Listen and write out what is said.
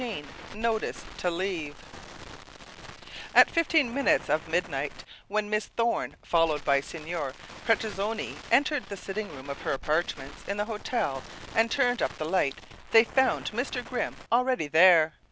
XVIII NOTICE TO LEAVE At fifteen minutes of midnight when Miss Thorne, followed by Signor Petrozinni, entered the sitting room of her apartments in the hotel and turned up the light they found Mr. Grimm already there.